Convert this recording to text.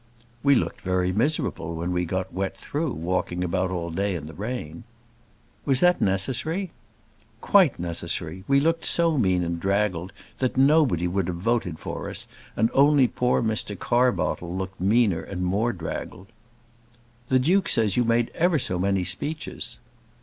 "We looked very miserable, when we got wet through, walking about all day in the rain." "Was that necessary?" "Quite necessary. We looked so mean and draggled that nobody would have voted for us, only that poor Mr. Carbottle looked meaner and more draggled." "The Duke says you made ever so many speeches."